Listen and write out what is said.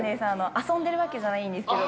遊んでるわけじゃないんですけど。